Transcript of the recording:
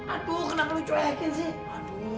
aduh kenapa lu cuekin sih